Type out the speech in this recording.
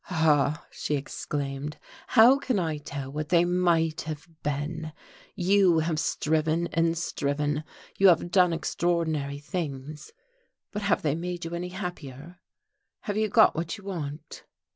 "Ah," she exclaimed, "how can I tell what they might have been! You have striven and striven, you have done extraordinary things, but have they made you any happier? have you got what you want?"